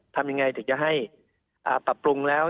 ทำยังไงถึงจะให้ปรับปรุงแล้ว